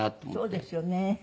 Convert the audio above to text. そうですよね。